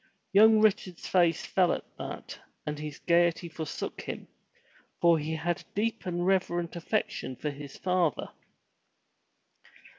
Young Richard's face fell at that and his gaiety forsook him, for he had a deep and reverent affection for his father.